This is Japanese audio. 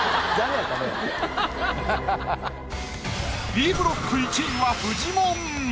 Ｂブロック１位はフジモン。